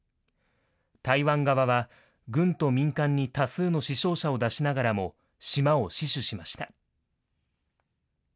台湾側は、軍と民間に多数の死傷者を出しながらも島を死守しました。